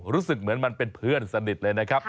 รู้สึกเหมือนมันเป็นเพื่อนสนิทเลยนะครับ